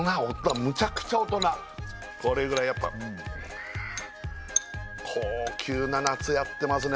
むちゃくちゃ大人これぐらいやっぱ高級な夏やってますね